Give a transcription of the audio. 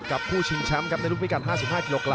กับผู้ชิงแชมป์ครับในรุ่นพี่กันห้าสิบห้ากิโลกรัม